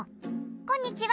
こんにちは！